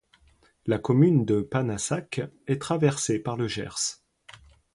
La commune de Panassac est traversée par le Gers.